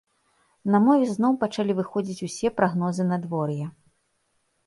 На мове зноў пачалі выходзіць усе прагнозы надвор'я.